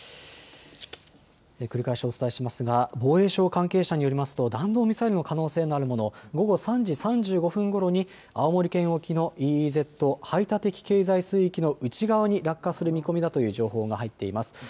繰り返しお伝えしますが防衛省関係者によりますと弾道ミサイルの可能性があるものが午後３時３５分ごろに青森県沖のＥＥＺ・排他的経済水域の内側に落下する見込みだという情報が入っています。